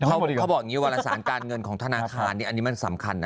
เขาบอกอย่างนี้วารสารการเงินของธนาคารนี่อันนี้มันสำคัญนะ